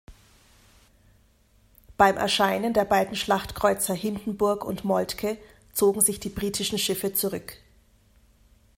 Beim Erscheinen der beiden Schlachtkreuzer "Hindenburg" und "Moltke" zogen sich die britischen Schiffe zurück.